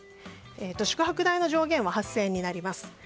宿泊代の上限は８０００円になります。